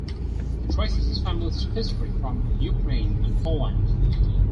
He traces his family history from Ukraine and Poland.